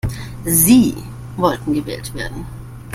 Sie wollten gewählt werden.